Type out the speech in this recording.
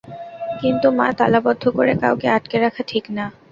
কিন্তু মা তালাবন্ধ করে কাউকে আটকে রাখা ঠিক না।